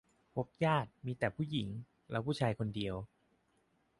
พบญาติ มีแต่ผู้หญิง เราผู้ชายคนเดียว